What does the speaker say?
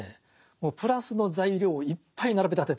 もうプラスの材料をいっぱい並べ立ててるんですよ。